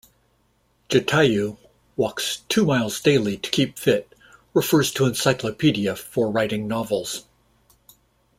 Jatayu walks two miles daily to keep fit, refers to encyclopaedia for writing novels.